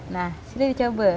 nah silahkan dicoba